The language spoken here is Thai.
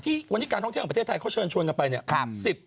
ที่วันนี้การท่องเที่ยวของประเทศไทยเขาเชิญชวนกันไปเนี่ย